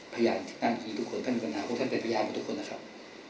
พยานอัฐไปไหนทุกคนพระครูเกูยลงานครูแสดบประยามกับทุกคนนะครับ